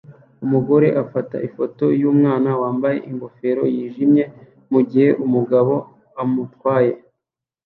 Umugore afata ifoto yumwana wambaye ingofero yijimye mugihe umugabo amutwaye